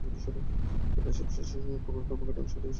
তবে এসব শিশুর সুকুমার কর্মকাণ্ডে অংশ নেওয়ার সুযোগ নেই বললেই চলে।